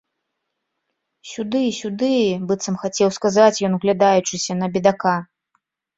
Сюды, сюды, быццам хацеў сказаць ён, углядаючыся на бедака.